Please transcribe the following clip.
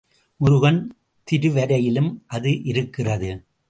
முருகன் திருவரையிலும் அது இருக்கிறது.